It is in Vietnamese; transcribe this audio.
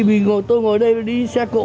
vì tôi ngồi đây đi xe cộ